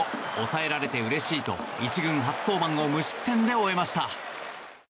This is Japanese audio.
抑えられてうれしいと１軍初登板を無失点で終えました。